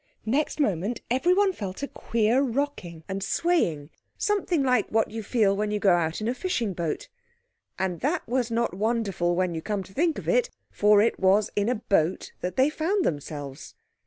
Next moment everyone felt a queer rocking and swaying—something like what you feel when you go out in a fishing boat. And that was not wonderful, when you come to think of it, for it was in a boat that they found themselves.